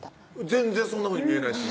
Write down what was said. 全然そんなふうに見えないです